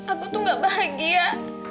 aku tuh gak bahagia